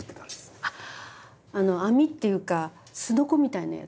網っていうかすのこみたいなやつでしょ？